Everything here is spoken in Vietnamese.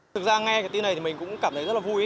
thực ra nghe cái tin này thì mình cũng cảm thấy rất là vui